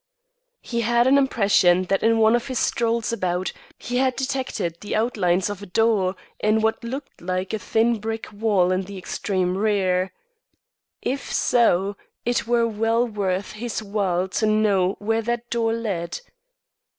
He had an impression that in one of his strolls about, he had detected the outlines of a door in what looked like a high brick wall in the extreme rear. If so, it were well worth his while to know where that door led.